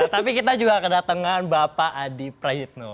tapi kita juga kedatangan bapak adi prayitno